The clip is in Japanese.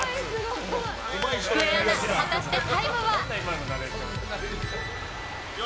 きくえアナ、果たしてタイムは。